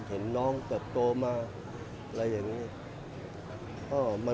เห็นน้องเกิดโตมา